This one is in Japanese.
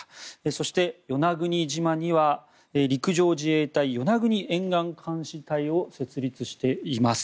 そして与那国島には陸上自衛隊与那国沿岸監視隊を設立しています。